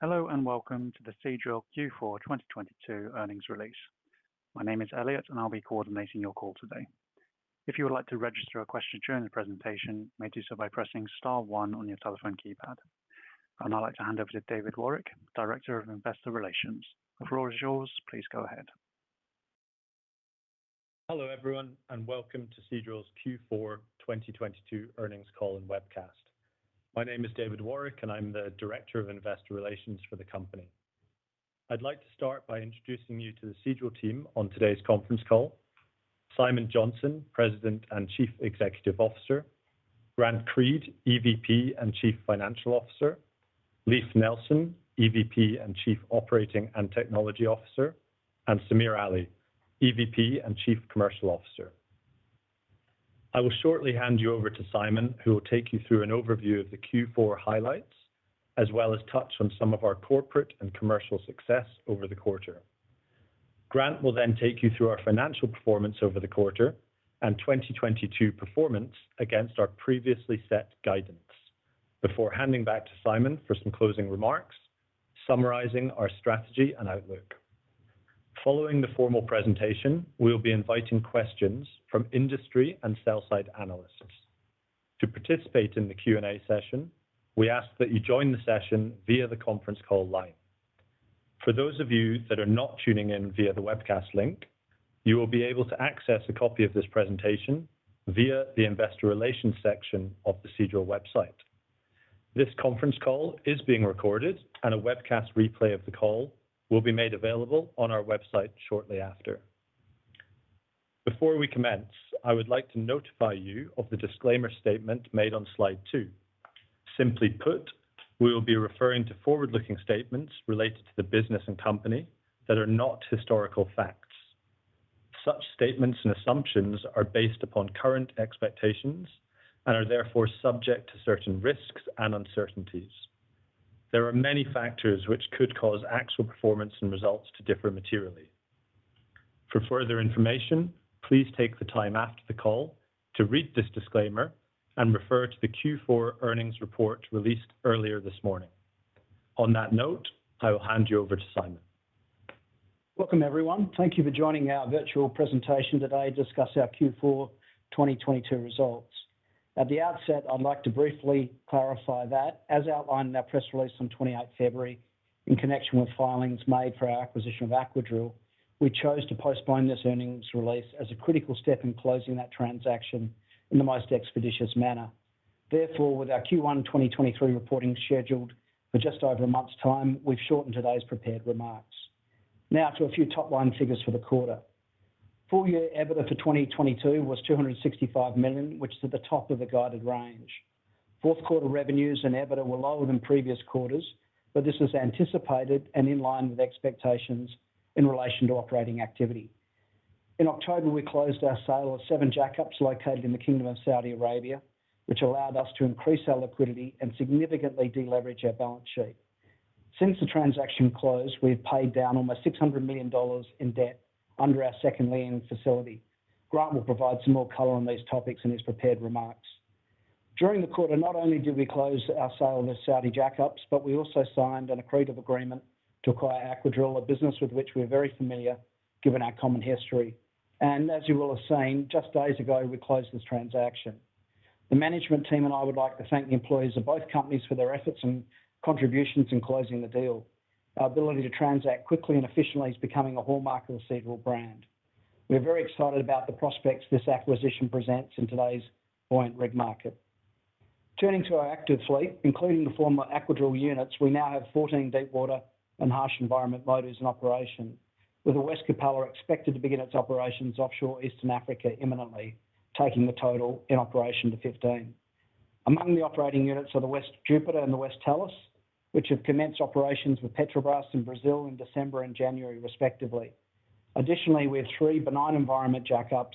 Hello and welcome to the Seadrill Q4 2022 earnings release. My name is Elliot, and I'll be coordinating your call today. If you would like to register a question during the presentation, you may do so by pressing star one on your telephone keypad. I'd like to hand over to David Warwick, Director of Investor Relations. The floor is yours. Please go ahead. Hello, everyone, and welcome to Seadrill's Q4 2022 earnings call and webcast. My name is David Warwick, and I'm the Director of Investor Relations for the company. I'd like to start by introducing you to the Seadrill team on today's conference call. Simon Johnson, President and Chief Executive Officer. Grant Creed, EVP and Chief Financial Officer. Leif Nelson, EVP and Chief Operating and Technology Officer. Samir Ali, EVP and Chief Commercial Officer. I will shortly hand you over to Simon, who will take you through an overview of the Q4 highlights, as well as touch on some of our corporate and commercial success over the quarter. Grant will take you through our financial performance over the quarter and 2022 performance against our previously set guidance before handing back to Simon for some closing remarks summarizing our strategy and outlook. Following the formal presentation, we will be inviting questions from industry and sell-side analysts. To participate in the Q&A session, we ask that you join the session via the conference call line. For those of you that are not tuning in via the webcast link, you will be able to access a copy of this presentation via the Investor Relations section of the Seadrill website. This conference call is being recorded and a webcast replay of the call will be made available on our website shortly after. Before we commence, I would like to notify you of the disclaimer statement made on slide two. Simply put, we will be referring to forward-looking statements related to the business and company that are not historical facts. Such statements and assumptions are based upon current expectations and are therefore subject to certain risks and uncertainties. There are many factors which could cause actual performance and results to differ materially. For further information, please take the time after the call to read this disclaimer and refer to the Q4 earnings report released earlier this morning. On that note, I will hand you over to Simon. Welcome, everyone. Thank you for joining our virtual presentation today to discuss our Q4 2022 results. At the outset, I'd like to briefly clarify that as outlined in our press release on February 28, in connection with filings made for our acquisition of Aquadrill, we chose to postpone this earnings release as a critical step in closing that transaction in the most expeditious manner. Therefore, with our Q1 2023 reporting scheduled for just over a month's time, we've shortened today's prepared remarks. Now to a few top-line figures for the quarter. Full year EBITDA for 2022 was $265 million, which is at the top of the guided range. Fourth quarter revenues and EBITDA were lower than previous quarters, but this was anticipated and in line with expectations in relation to operating activity. In October, we closed our sale of seven jackups located in the Kingdom of Saudi Arabia, which allowed us to increase our liquidity and significantly deleverage our balance sheet. Since the transaction closed, we've paid down almost $600 million in debt under our second lien facility. Grant will provide some more color on these topics in his prepared remarks. During the quarter, not only did we close our sale of the Saudi jackups, but we also signed an accretive agreement to acquire Aquadrill, a business with which we are very familiar given our common history. As you will have seen, just days ago, we closed this transaction. The management team and I would like to thank the employees of both companies for their efforts and contributions in closing the deal. Our ability to transact quickly and efficiently is becoming a hallmark of the Seadrill brand. We are very excited about the prospects this acquisition presents in today's buoyant rig market. Turning to our active fleet, including the former Aquadrill units, we now have 14 deepwater and harsh environment motors in operation, with the West Capella expected to begin its operations offshore Eastern Africa imminently, taking the total in operation to 15. Among the operating units are the West Jupiter and the West Tellus, which have commenced operations with Petrobras in Brazil in December and January, respectively. Additionally, we have three benign environment jackups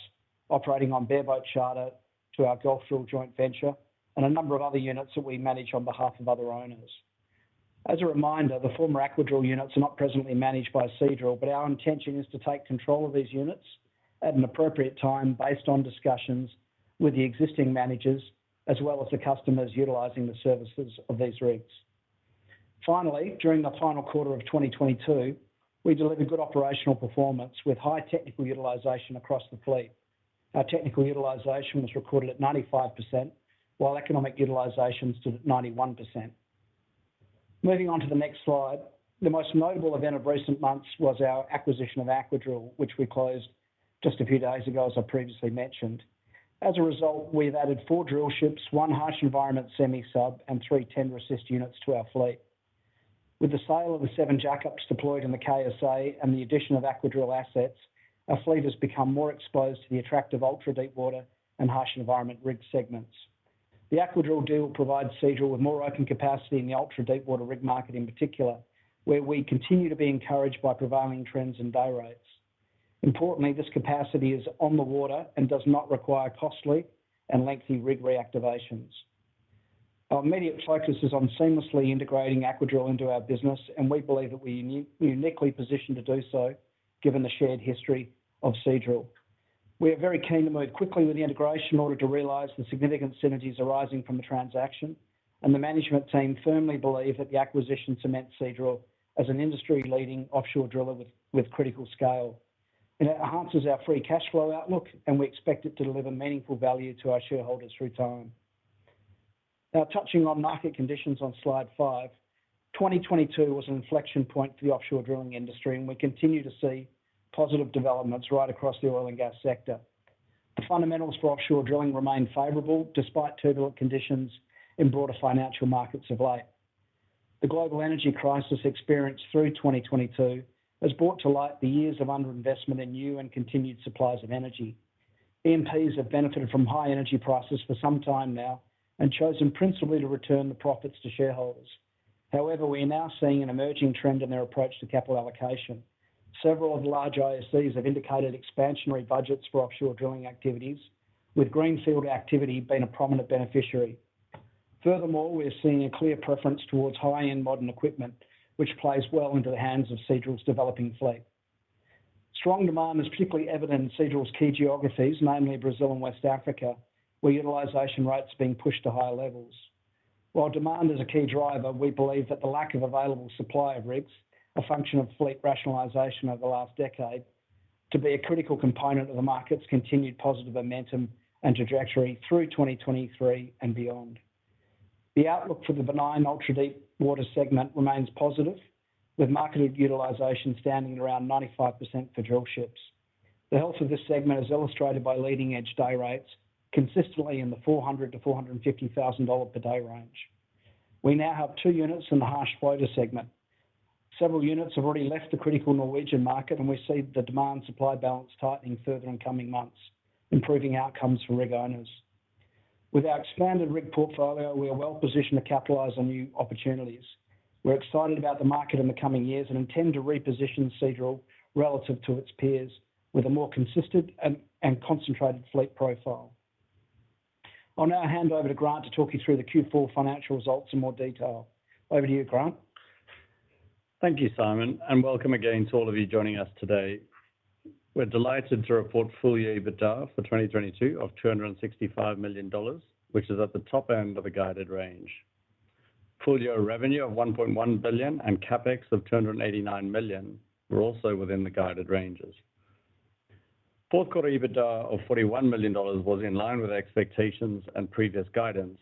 operating on bare boat charter to our Gulfdrill joint venture and a number of other units that we manage on behalf of other owners. As a reminder, the former Aquadrill units are not presently managed by Seadrill, our intention is to take control of these units at an appropriate time based on discussions with the existing managers as well as the customers utilizing the services of these rigs. During the final quarter of 2022, we delivered good operational performance with high technical utilization across the fleet. Our technical utilization was recorded at 95%, while economic utilization stood at 91%. Moving on to the next slide, the most notable event of recent months was our acquisition of Aquadrill, which we closed just a few days ago, as I previously mentioned. We've added four drillships, one harsh environment semi-sub and three tender assist units to our fleet. With the sale of the seven jackups deployed in the KSA and the addition of Aquadrill assets, our fleet has become more exposed to the attractive ultra-deepwater and harsh environment rig segments. The Aquadrill deal provides Seadrill with more open capacity in the ultra-deepwater rig market in particular, where we continue to be encouraged by prevailing trends in day rates. Importantly, this capacity is on the water and does not require costly and lengthy rig reactivations. Our immediate focus is on seamlessly integrating Aquadrill into our business. We believe that we're uniquely positioned to do so given the shared history of Seadrill. We are very keen to move quickly with the integration in order to realize the significant synergies arising from the transaction. The management team firmly believe that the acquisition cements Seadrill as an industry-leading offshore driller with critical scale. It enhances our free cash flow outlook, and we expect it to deliver meaningful value to our shareholders through time. Touching on market conditions on slide five. 2022 was an inflection point for the offshore drilling industry, and we continue to see positive developments right across the oil and gas sector. The fundamentals for offshore drilling remain favorable despite turbulent conditions in broader financial markets of late. The global energy crisis experienced through 2022 has brought to light the years of underinvestment in new and continued supplies of energy. EMPs have benefited from high energy prices for some time now and chosen principally to return the profits to shareholders. We are now seeing an emerging trend in their approach to capital allocation. Several of the large IOCs have indicated expansionary budgets for offshore drilling activities, with greenfield activity being a prominent beneficiary. We are seeing a clear preference towards high-end modern equipment, which plays well into the hands of Seadrill's developing fleet. Strong demand is particularly evident in Seadrill's key geographies, mainly Brazil and West Africa, where utilization rates are being pushed to higher levels. Demand is a key driver, we believe that the lack of available supply of rigs, a function of fleet rationalization over the last decade, to be a critical component of the market's continued positive momentum and trajectory through 2023 and beyond. The outlook for the benign ultra-deepwater segment remains positive, with marketed utilization standing around 95% for drillships. The health of this segment is illustrated by leading-edge day rates consistently in the $400,000-$450,000 per day range. We now have two units in the harsh floater segment. Several units have already left the critical Norwegian market. We see the demand-supply balance tightening further in coming months, improving outcomes for rig owners. With our expanded rig portfolio, we are well positioned to capitalize on new opportunities. We're excited about the market in the coming years and intend to reposition Seadrill relative to its peers with a more consistent and concentrated fleet profile. I'll now hand over to Grant to talk you through the Q4 financial results in more detail. Over to you, Grant. Thank you, Simon, and welcome again to all of you joining us today. We're delighted to report full year EBITDA for 2022 of $265 million, which is at the top end of a guided range. Full year revenue of $1.1 billion and CapEx of $289 million were also within the guided ranges. Fourth quarter EBITDA of $41 million was in line with expectations and previous guidance,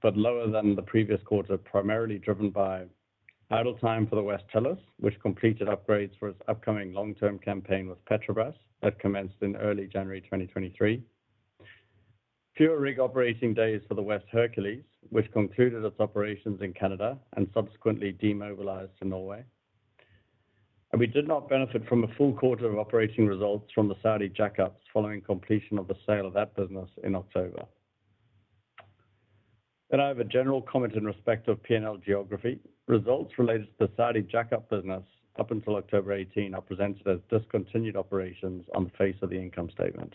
but lower than the previous quarter, primarily driven by idle time for the West Tellus, which completed upgrades for its upcoming long-term campaign with Petrobras that commenced in early January 2023. Fewer rig operating days for the West Hercules, which concluded its operations in Canada and subsequently demobilized to Norway. We did not benefit from a full quarter of operating results from the Saudi jackups following completion of the sale of that business in October. I have a general comment in respect of P&L geography. Results related to the Saudi jackup business up until October 18 are presented as discontinued operations on the face of the income statement.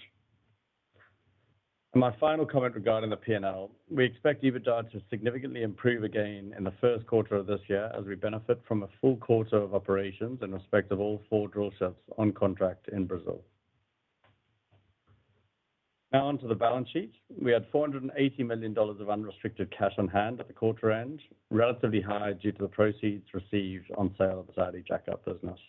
My final comment regarding the P&L, we expect EBITDA to significantly improve again in the first quarter of this year as we benefit from a full quarter of operations in respect of all four drillships on contract in Brazil. Now onto the balance sheet. We had $480 million of unrestricted cash on-hand at the quarter end, relatively high due to the proceeds received on sale of the Saudi jackup business.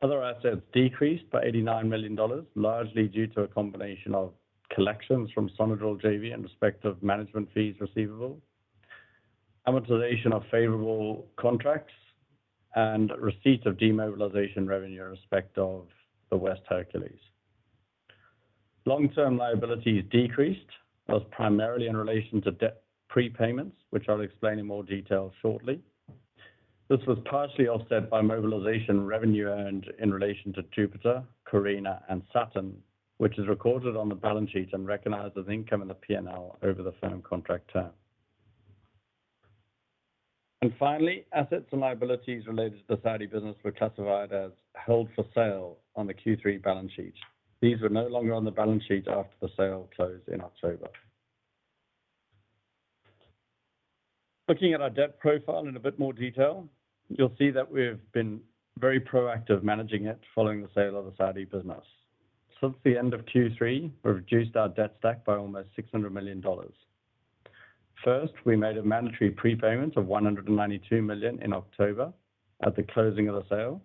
Other assets decreased by $89 million, largely due to a combination of collections from Sonadrill JV in respect of management fees receivable, amortization of favorable contracts, and receipt of demobilization revenue in respect of the West Hercules. Long-term liabilities decreased, was primarily in relation to debt prepayments, which I'll explain in more detail shortly. This was partially offset by mobilization revenue earned in relation to Jupiter, Carina, and Saturn, which is recorded on the balance sheet and recognized as income in the P&L over the firm contract term. Finally, assets and liabilities related to the Saudi business were classified as held for sale on the Q3 balance sheet. These were no longer on the balance sheet after the sale closed in October. Looking at our debt profile in a bit more detail, you'll see that we've been very proactive managing it following the sale of the Saudi business. Since the end of Q3, we've reduced our debt stack by almost $600 million. We made a mandatory prepayment of $192 million in October at the closing of the sale,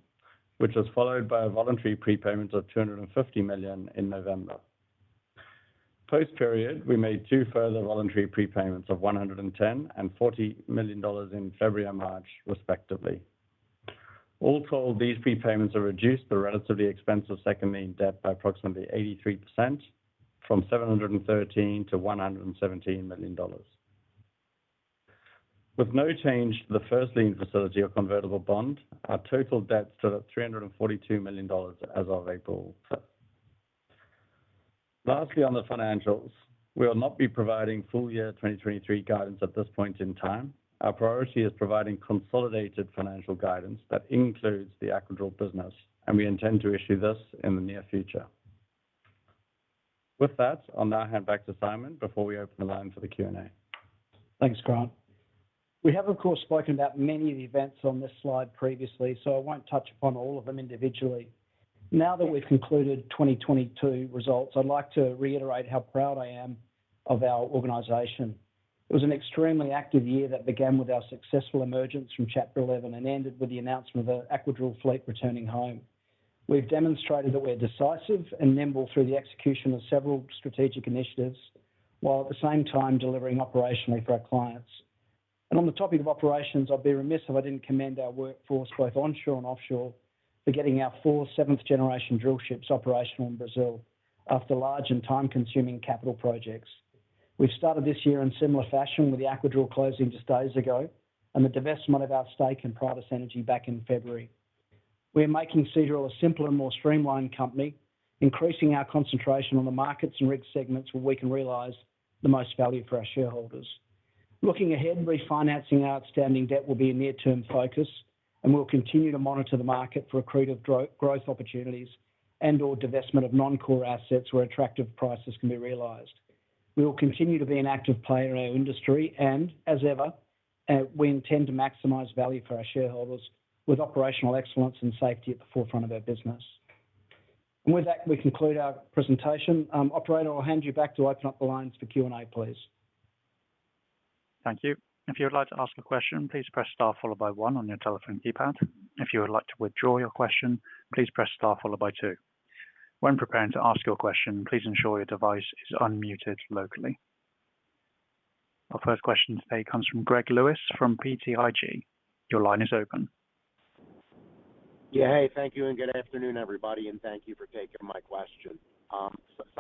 which was followed by a voluntary prepayment of $250 million in November. Post-period, we made two further voluntary prepayments of $110 and $40 million in February and March, respectively. All told, these prepayments have reduced the relatively expensive second lien debt by approximately 83% from $713 million to $117 million. With no change to the first lien facility or convertible bond, our total debt stood at $342 million as of April. On the financials, we will not be providing full year 2023 guidance at this point in time. Our priority is providing consolidated financial guidance that includes the Aquadrill business, and we intend to issue this in the near future. With that, I'll now hand back to Simon before we open the line for the Q&A. Thanks, Grant. We have, of course, spoken about many of the events on this slide previously, so I won't touch upon all of them individually. Now that we've concluded 2022 results, I'd like to reiterate how proud I am of our organization. It was an extremely active year that began with our successful emergence from Chapter 11 and ended with the announcement of the Aquadrill fleet returning home. We've demonstrated that we're decisive and nimble through the execution of several strategic initiatives while at the same time delivering operationally for our clients. On the topic of operations, I'd be remiss if I didn't commend our workforce, both onshore and offshore, for getting our four seventh-generation drillships operational in Brazil after large and time-consuming capital projects. We've started this year in similar fashion with the Aquadrill closing just days ago and the divestment of our stake in Paratus Energy Services back in February. We are making Seadrill a simpler and more streamlined company, increasing our concentration on the markets and rig segments where we can realize the most value for our shareholders. Looking ahead, refinancing our outstanding debt will be a near-term focus, and we'll continue to monitor the market for accretive growth opportunities and/or divestment of non-core assets where attractive prices can be realized. We will continue to be an active player in our industry. As ever, we intend to maximize value for our shareholders with operational excellence and safety at the forefront of our business. With that, we conclude our presentation. Operator, I'll hand you back to open up the lines for Q&A, please. Thank you. If you would like to ask a question, please press star followed by one on your telephone keypad. If you would like to withdraw your question, please press star followed by two. When preparing to ask your question, please ensure your device is unmuted locally. Our first question today comes from Greg Lewis from BTIG. Your line is open. Yeah. Hey, thank you, and good afternoon, everybody, and thank you for taking my question.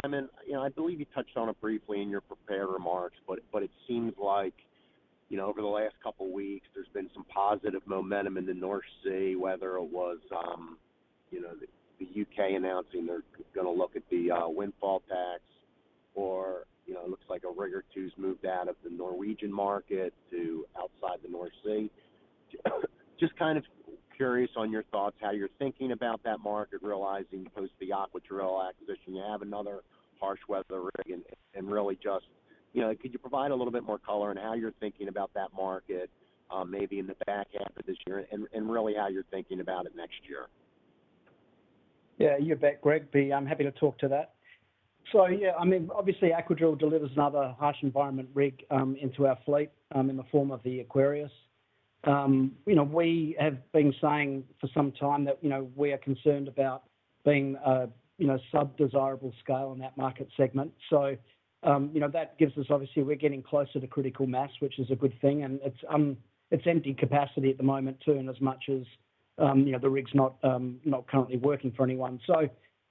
Simon, you know, I believe you touched on it briefly in your prepared remarks, but it seems like, you know, over the last couple weeks, there's been some positive momentum in the North Sea, whether it was, you know, the U.K. announcing they're gonna look at the windfall tax or, you know, it looks like a rig or two has moved out of the Norwegian market to outside the North Sea. Just kind of curious on your thoughts, how you're thinking about that market, realizing post the Aquadrill acquisition, you have another harsh weather rig and really just, you know, could you provide a little bit more color on how you're thinking about that market, maybe in the back half of this year and really how you're thinking about it next year? Yeah. You bet, Greg. I'm happy to talk to that. yeah, I mean, obviously Aquadrill delivers another harsh environment rig, into our fleet, in the form of the Aquarius. you know, we have been saying for some time that, you know, we are concerned about being, you know, sub-desirable scale in that market segment. you know, that gives us, obviously, we're getting closer to critical mass, which is a good thing. it's empty capacity at the moment too, in as much as, you know, the rig's not currently working for anyone.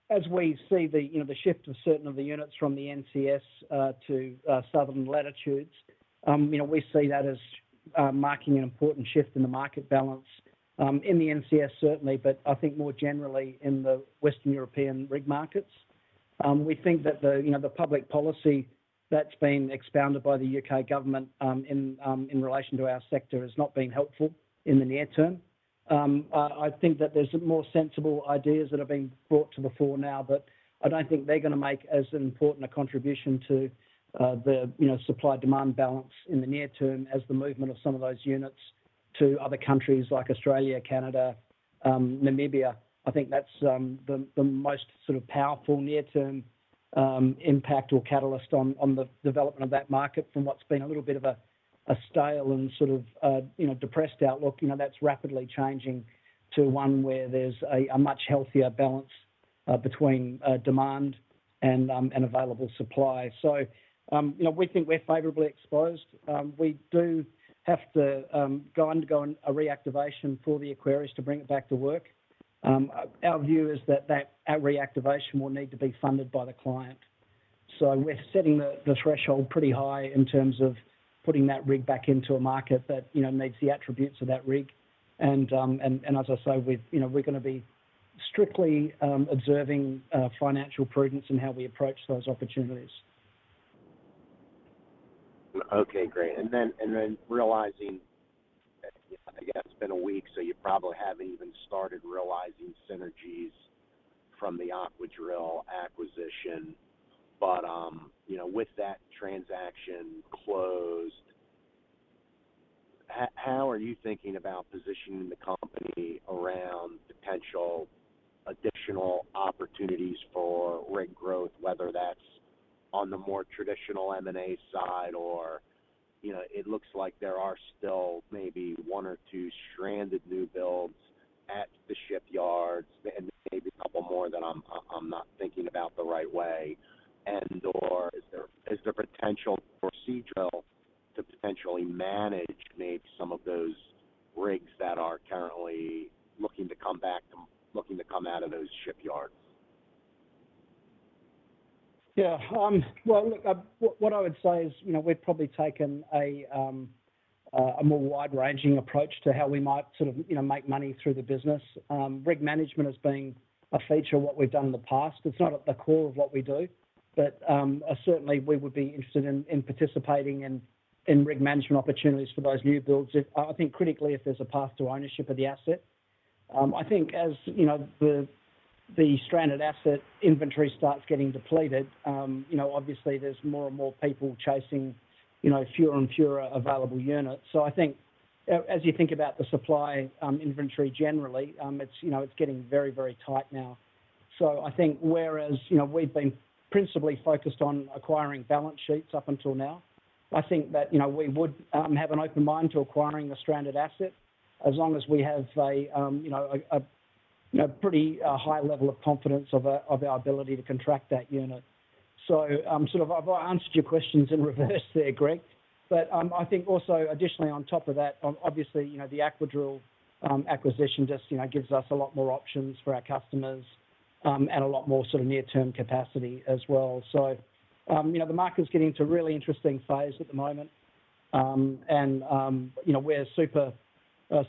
As we see the, you know, the shift of certain of the units from the NCS to southern latitudes, you know, we see that as marking an important shift in the market balance in the NCS certainly, but I think more generally in the Western European rig markets. We think that the, you know, the public policy that's been expounded by the U.K. government in relation to our sector has not been helpful in the near term. I think that there's some more sensible ideas that have been brought to the floor now, but I don't think they're gonna make as an important a contribution to the, you know, supply-demand balance in the near term as the movement of some of those units to other countries like Australia, Canada, Namibia. I think that's the most sort of powerful near-term impact or catalyst on the development of that market from what's been a little bit of a stale and sort of, you know, depressed outlook. You know, that's rapidly changing to one where there's a much healthier balance between demand and available supply. You know, we think we're favorably exposed. We do have to undergo a reactivation for the Aquarius to bring it back to work. Our view is that reactivation will need to be funded by the client. So we're setting the threshold pretty high in terms of putting that rig back into a market that, you know, needs the attributes of that rig. As I say, we, you know, we're gonna be strictly observing financial prudence in how we approach those opportunities. Okay, great. Then realizing, I guess it's been a week, so you probably haven't even started realizing synergies from the Aquadrill acquisition. You know, with that transaction closed, how are you thinking about positioning the company around potential additional opportunities for rig growth, whether that's on the more traditional M&A side or, you know, it looks like there are still maybe one or two stranded new builds at the shipyards and maybe a couple more that I'm not thinking about the right way. Or is there potential for Seadrill to potentially manage maybe some of those rigs that are currently looking to come out of those shipyards? Yeah. Well, look, what I would say is, you know, we've probably taken a more wide-ranging approach to how we might sort of, you know, make money through the business. Rig management has been a feature of what we've done in the past. It's not at the core of what we do, but certainly we would be interested in participating in rig management opportunities for those new builds if I think critically if there's a path to ownership of the asset. I think as, you know, the stranded asset inventory starts getting depleted, you know, obviously there's more and more people chasing, you know, fewer and fewer available units. As you think about the supply inventory generally, it's, you know, it's getting very, very tight now. I think whereas, you know, we've been principally focused on acquiring balance sheets up until now, I think that, you know, we would have an open mind to acquiring a stranded asset as long as we have a, you know, a pretty high level of confidence of our ability to contract that unit. I've answered your questions in reverse there, Greg. I think also additionally on top of that, obviously, you know, the Aquadrill acquisition just, you know, gives us a lot more options for our customers, and a lot more sort of near-term capacity as well. You know, the market is getting to a really interesting phase at the moment. You know, we're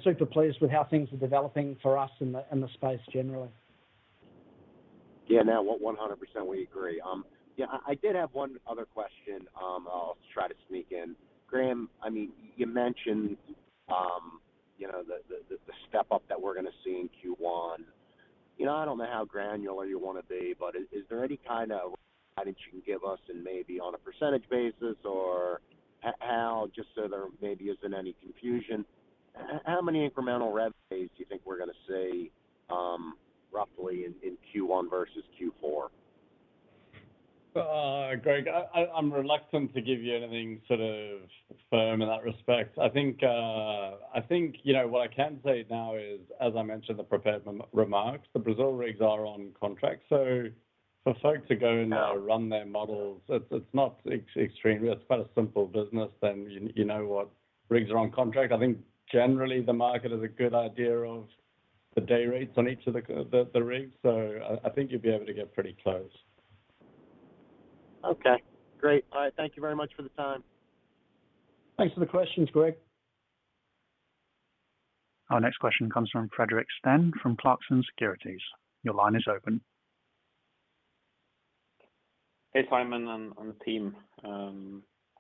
super pleased with how things are developing for us in the space generally. Yeah. No, 100% we agree. Yeah, I did have one other question, I'll try to sneak in. Grant, I mean, you mentioned, you know, the step-up that we're gonna see in Q1. You know, I don't know how granular you wanna be, but is there any kind of guidance you can give us and maybe on a percentage basis or how, just so there maybe isn't any confusion, how many incremental rev phase do you think we're gonna see, roughly in Q1 versus Q4? Greg, I'm reluctant to give you anything sort of firm in that respect. I think, you know, what I can say now is, as I mentioned in the prepared remarks, the Brazil rigs are on contract. For folks to go now run their models, it's not extreme. It's quite a simple business. You know what rigs are on contract. I think generally the market has a good idea of the day rates on each of the rigs. I think you'd be able to get pretty close. Okay, great. All right. Thank you very much for the time. Thanks for the questions, Greg. Our next question comes from Fredrik Stene from Clarksons Securities. Your line is open. Hey, Simon and the team.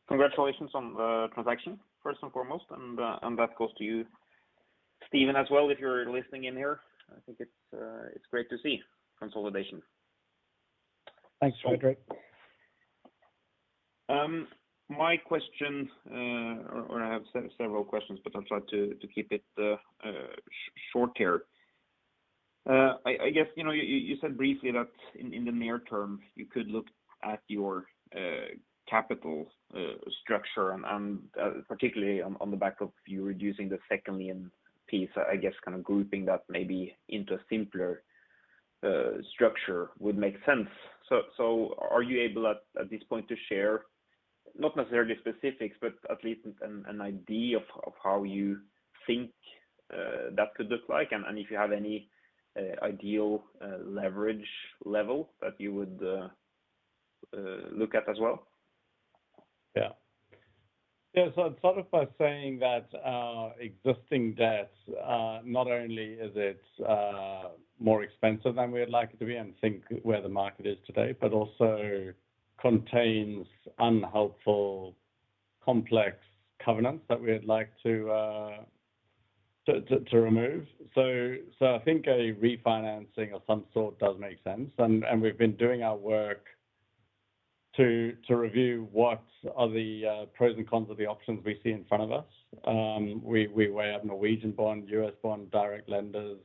Congratulations on the transaction, first and foremost. That goes to you, Stephen, as well, if you're listening in here. I think it's great to see consolidation. Thanks, Fredrik. My question, or I have several questions, but I'll try to keep it short here. I guess, you know, you said briefly that in the near term, you could look at your capital structure and particularly on the back of you reducing the second lien piece, I guess kind of grouping that maybe into a simpler structure would make sense. Are you able at this point to share, not necessarily specifics, but at least an idea of how you think that could look like, and if you have any ideal leverage level that you would look at as well? Yeah. Sort of by saying that, existing debts are not only is it more expensive than we'd like it to be and think where the market is today, but also contains unhelpful complex covenants that we'd like to remove. I think a refinancing of some sort does make sense. We've been doing our work to review what are the pros and cons of the options we see in front of us. We weigh up Norwegian bond, US bond, direct lenders.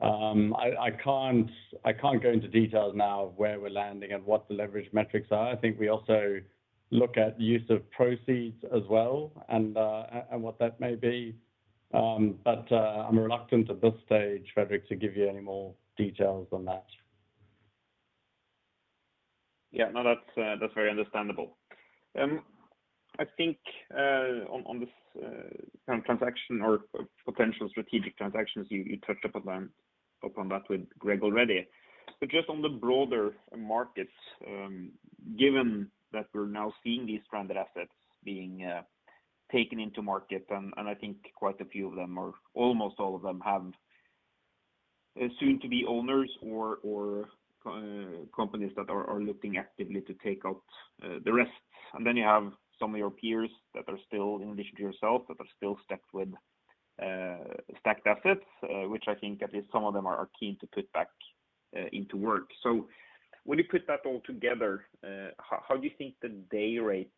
I can't go into details now of where we're landing and what the leverage metrics are. I think we also look at use of proceeds as well and what that may be. I'm reluctant at this stage, Fredrik, to give you any more details on that. Yeah. No, that's very understandable. I think on this transaction or potential strategic transactions, you touched upon that with Greg already. Just on the broader markets, given that we're now seeing these stranded assets being taken into market, and I think quite a few of them or almost all of them have soon to be owners or companies that are looking actively to take out the rest. You have some of your peers that are still in addition to yourself, that are still stacked with stacked assets, which I think at least some of them are keen to put back into work. When you put that all together, how do you think the day rate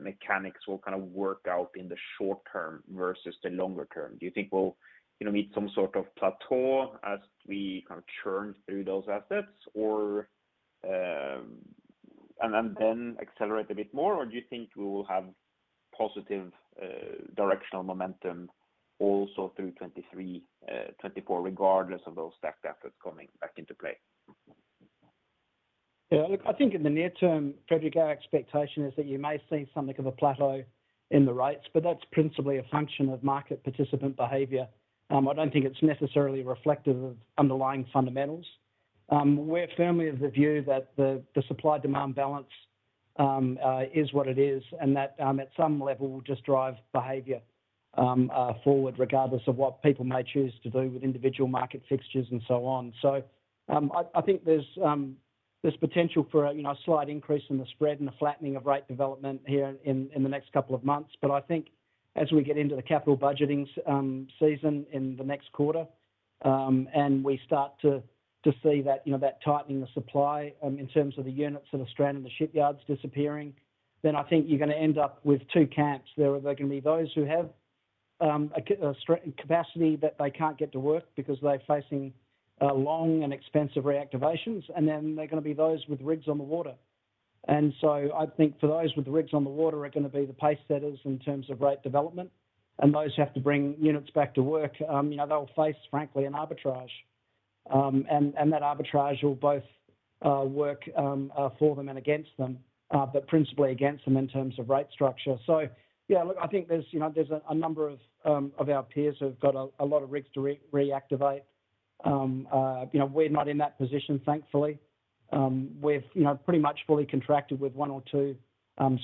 mechanics will kind of work out in the short term versus the longer term? Do you think we'll, you know, meet some sort of plateau as we kind of churn through those assets or, and then accelerate a bit more? Or do you think we will have positive directional momentum also through 2023, 2024, regardless of those stacked assets coming back into play? Look, I think in the near term, Fredrik, our expectation is that you may see something of a plateau in the rates, but that's principally a function of market participant behavior. I don't think it's necessarily reflective of underlying fundamentals. We're firmly of the view that the supply-demand balance, is what it is and that, at some level will just drive behavior, forward regardless of what people may choose to do with individual market fixtures and so on. I think there's potential for, you know, a slight increase in the spread and the flattening of rate development here in the next couple of months. I think as we get into the capital budgeting season in the next quarter, and we start to see that, you know, that tightening of supply, in terms of the units that are stranded in the shipyards disappearing, then I think you're gonna end up with two camps. There are, there can be those who have a strengthened capacity that they can't get to work because they're facing long and expensive reactivations, and then there are gonna be those with rigs on the water. I think for those with the rigs on the water are gonna be the pace setters in terms of rate development, and those who have to bring units back to work, you know, they'll face, frankly, an arbitrage. That arbitrage will both work for them and against them, but principally against them in terms of rate structure. Yeah, look, I think there's, you know, there's a number of our peers who have got a lot of rigs to re-reactivate. You know, we're not in that position, thankfully. We've, you know, pretty much fully contracted with one or two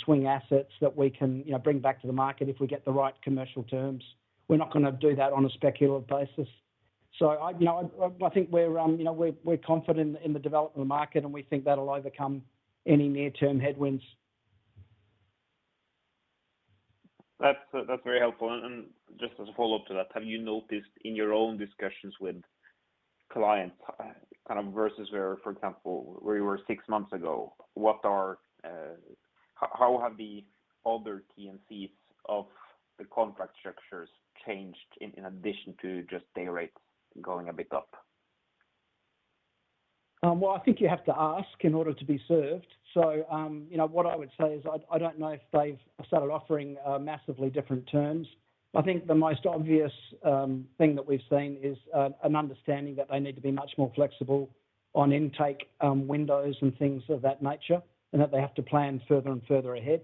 swing assets that we can, you know, bring back to the market if we get the right commercial terms. We're not gonna do that on a speculative basis. I, you know, I think we're, you know, we're confident in the development of the market, and we think that'll overcome any near-term headwinds. That's, that's very helpful. Just as a follow-up to that, have you noticed in your own discussions with clients, kind of versus where, for example, where you were six months ago, what are, how have the other T&Cs of the contract structures changed in addition to just day rates going a bit up? Well, I think you have to ask in order to be served. You know, what I would say is I don't know if they've started offering, massively different terms. I think the most obvious, thing that we've seen is, an understanding that they need to be much more flexible on intake, windows and things of that nature, and that they have to plan further and further ahead.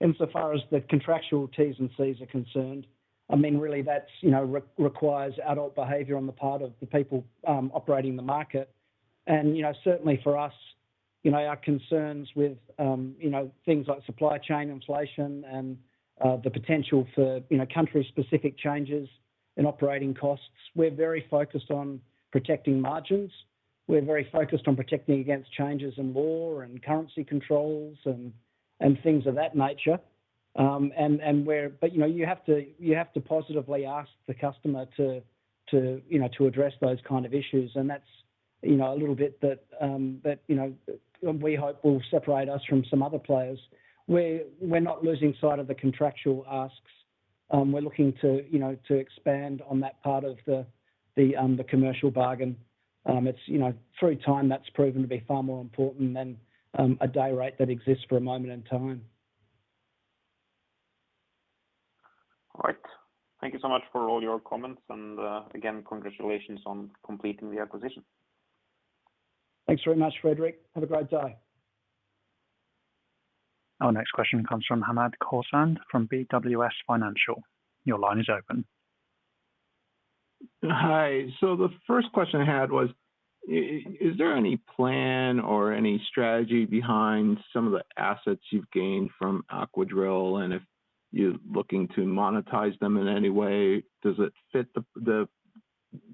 Insofar as the contractual T's and C's are concerned, I mean, really that's, you know, re-requires adult behavior on the part of the people, operating the market. You know, certainly for us, you know, our concerns with, you know, things like supply chain inflation and, the potential for, you know, country-specific changes in operating costs, we're very focused on protecting margins. We're very focused on protecting against changes in law and currency controls and things of that nature. You know, you have to, you have to positively ask the customer to, you know, to address those kind of issues. That's, you know, a little bit that, you know, we hope will separate us from some other players, where we're not losing sight of the contractual asks. We're looking to, you know, to expand on that part of the commercial bargain. It's, you know, through time, that's proven to be far more important than a day rate that exists for a moment in time. All right. Thank you so much for all your comments and, again, congratulations on completing the acquisition. Thanks very much, Frederik. Have a great day. Our next question comes from Hamed Khorsand from BWS Financial. Your line is open. Hi. The first question I had was, is there any plan or any strategy behind some of the assets you've gained from Aquadrill, and if you're looking to monetize them in any way? Does it fit the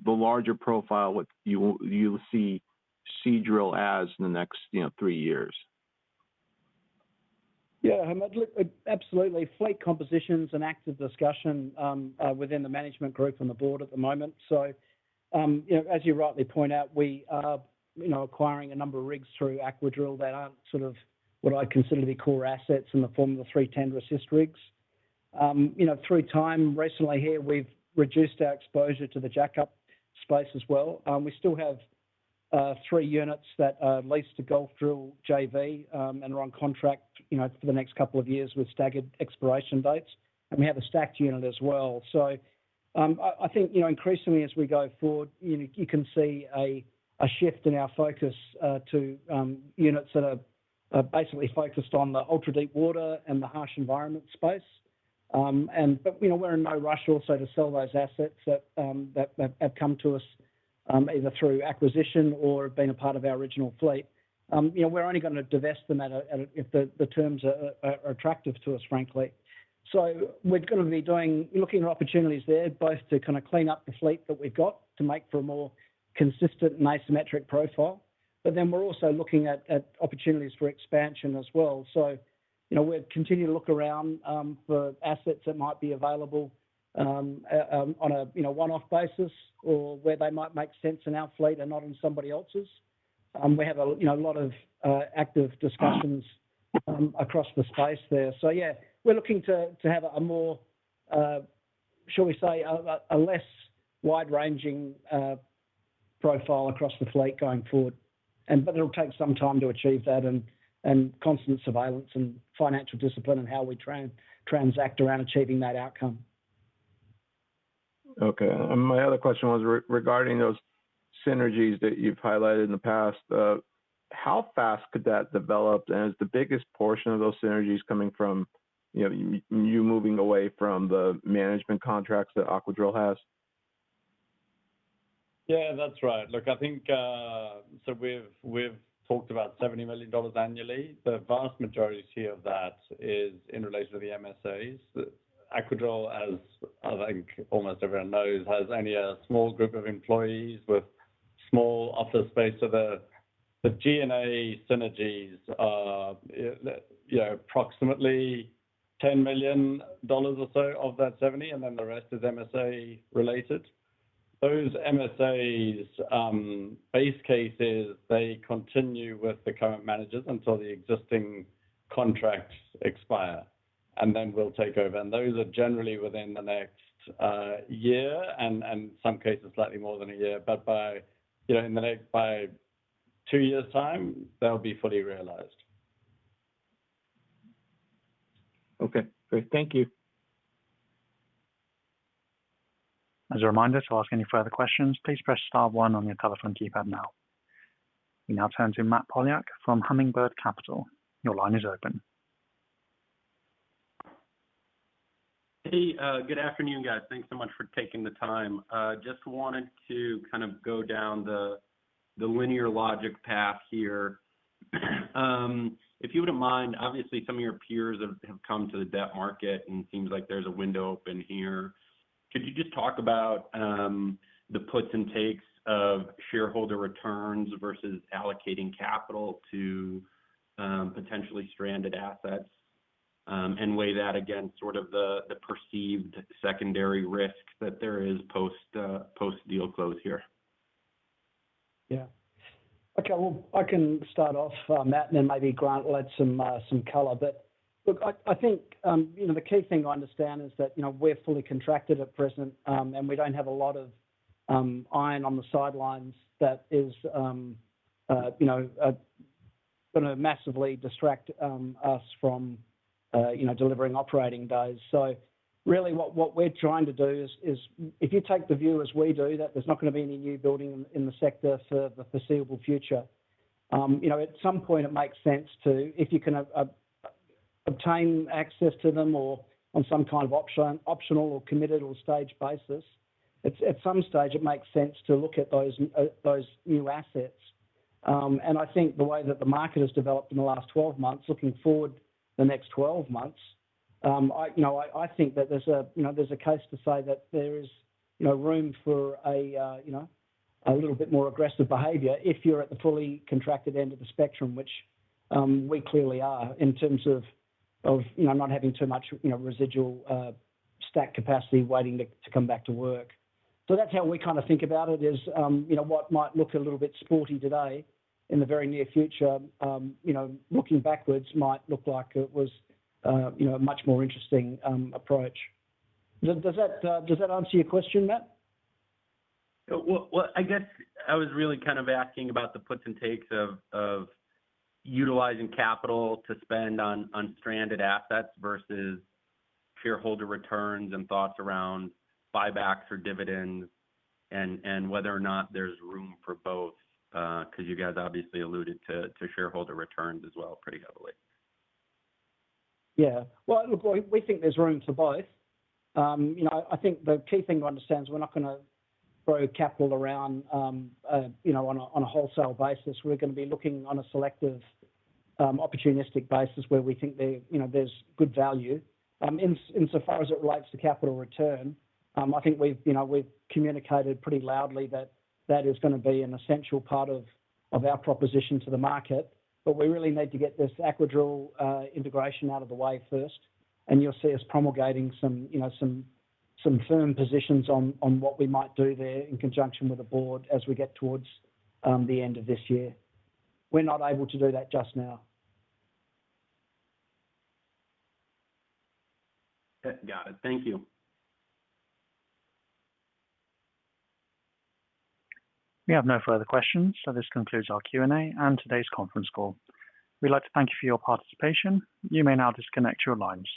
larger profile, what you see Seadrill as in the next, you know, three years? Yeah, Hamed Khorsand, look, absolutely. Fleet composition is an active discussion within the management group and the board at the moment. You know, as you rightly point out, we are, you know, acquiring a number of rigs through Aquadrill that aren't sort of what I'd consider to be core assets in the form of the three tender assist rigs. You know, through time, recently here, we've reduced our exposure to the jackup space as well. We still have, three units that are leased to Gulfdrill JV, and are on contract, you know, for the next couple of years with staggered expiration dates, and we have a stacked unit as well. I think, you know, increasingly as we go forward, you can see a shift in our focus, to, units that are basically focused on the ultra-deepwater and the harsh environment space. You know, we're in no rush also to sell those assets that have come to us, either through acquisition or have been a part of our original fleet. You know, we're only gonna divest them if the terms are attractive to us, frankly. We're gonna be doing, looking at opportunities there, both to kinda clean up the fleet that we've got to make for a more consistent and asymmetric profile. We're also looking at opportunities for expansion as well. You know, we're continuing to look around for assets that might be available on a, you know, one-off basis or where they might make sense in our fleet and not in somebody else's. We have a, you know, a lot of active discussions across the space there. Yeah, we're looking to have a more, shall we say, a less wide-ranging profile across the fleet going forward. It'll take some time to achieve that and constant surveillance and financial discipline in how we transact around achieving that outcome. Okay. My other question was regarding those synergies that you've highlighted in the past. How fast could that develop? Is the biggest portion of those synergies coming from, you know, you moving away from the management contracts that Aquadrill has? Yeah, that's right. Look, I think, we've talked about $70 million annually. The vast majority of that is in relation to the MSAs. Aquadrill, as I think almost everyone knows, has only a small group of employees. Small office space. The GNA synergies are, you know, approximately $10 million or so of that $70 million, and then the rest is MSA related. Those MSAs, base cases, they continue with the current managers until the existing contracts expire, and then we'll take over. Those are generally within the next year and some cases, slightly more than a year. By, you know, by two years' time, they'll be fully realized. Okay. Great. Thank you. As a reminder, to ask any further questions, please press star one on your telephone keypad now. We now turn to Matt Polyak from Hummingbird Capital. Your line is open. Hey, good afternoon, guys. Thanks so much for taking the time. Just wanted to kind of go down the linear logic path here. If you wouldn't mind, obviously, some of your peers have come to the debt market, and it seems like there's a window open here. Could you just talk about the puts and takes of shareholder returns versus allocating capital to potentially stranded assets, and weigh that against sort of the perceived secondary risk that there is post-deal close here? Okay. I can start off, Matt, and then maybe Grant will add some color. Look, I think, you know, the key thing to understand is that, you know, we're fully contracted at present, and we don't have a lot of iron on the sidelines that is, you know, gonna massively distract us from, you know, delivering operating days. Really what we're trying to do is if you take the view as we do that there's not gonna be any new building in the sector for the foreseeable future, you know, at some point it makes sense to, if you can obtain access to them or on some kind of optional or committed or staged basis. At some stage, it makes sense to look at those new assets. I think the way that the market has developed in the last 12 months, looking forward the next 12 months, I, you know, I think that there's a, you know, there's a case to say that there is, you know, room for a, you know, a little bit more aggressive behavior if you're at the fully contracted end of the spectrum, which we clearly are in terms of, you know, not having too much, you know, residual stack capacity waiting to come back to work. That's how we kinda think about it is, you know, what might look a little bit sporty today, in the very near future, you know, looking backwards might look like it was, you know, a much more interesting approach. Does that answer your question, Matt? Well, I guess I was really kind of asking about the puts and takes of utilizing capital to spend on stranded assets versus shareholder returns and thoughts around buybacks or dividends and whether or not there's room for both, 'cause you guys obviously alluded to shareholder returns as well pretty heavily. Yeah. Well, look, we think there's room for both. You know, I think the key thing to understand is we're not gonna throw capital around, you know, on a, on a wholesale basis. We're gonna be looking on a selective, opportunistic basis where we think there, you know, there's good value. In so far as it relates to capital return, I think we've, you know, we've communicated pretty loudly that that is gonna be an essential part of our proposition to the market. We really need to get this Aquadrill integration out of the way first, and you'll see us promulgating some, you know, some firm positions on what we might do there in conjunction with the board as we get towards the end of this year. We're not able to do that just now. Got it. Thank you. We have no further questions, so this concludes our Q&A and today's conference call. We'd like to thank you for your participation. You may now disconnect your lines.